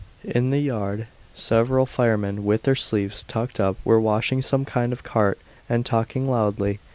In the yard several firemen with their sleeves tucked up were washing some kind of cart and talking loudly.